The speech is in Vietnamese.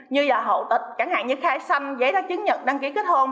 như là hậu tịch chẳng hạn như khai xanh giấy đá chứng nhật đăng ký kết hôn